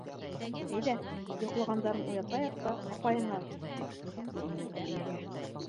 — Әйҙә, йоҡлағандарын уятайыҡ та, апайыңа киттек, — тине ул Әлиәгә.